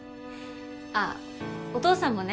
あっお父さんもね